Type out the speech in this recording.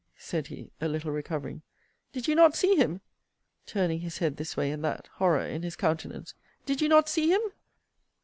said he, a little recovering. Did you not see him? turning his head this way and that; horror in his countenance; Did you not see him?